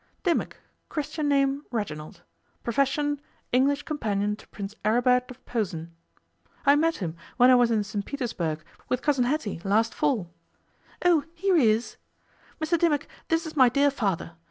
'Dimmock Christian name Reginald; profession, English companion to Prince Aribert of Posen. I met him when I was in St Petersburg with cousin Hetty last fall. Oh; here he is. Mr Dimmock, this is my dear father.